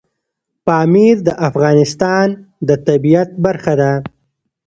پامیر د افغانستان د طبیعت برخه ده.